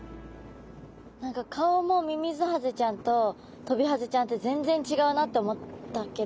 何か顔もミミズハゼちゃんとトビハゼちゃんって全然違うなって思ったけど。